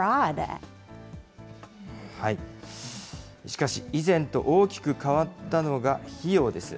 しかし、以前と大きく変わったのが費用です。